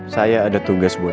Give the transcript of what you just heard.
saya ada tugas buat